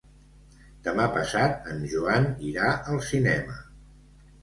Demà passat en Joan irà al cinema.